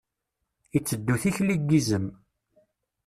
Iteddu tikli n yizem.